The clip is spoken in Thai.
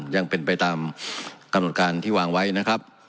ยังเป็นไปตามกำหนดการที่วางไว้นะครับ